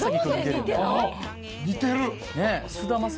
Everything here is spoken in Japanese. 似てる。